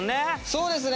そうですね。